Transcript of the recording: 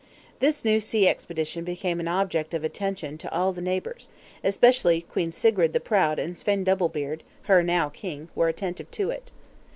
This new sea expedition became an object of attention to all neighbors; especially Queen Sigrid the Proud and Svein Double Beard, her now king, were attentive to it.